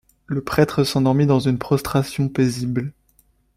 Le prêtre s’endormit dans une prostration paisible.